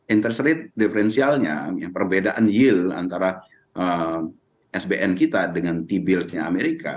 interstate differential nya perbedaan yield antara sbn kita dengan t build nya amerika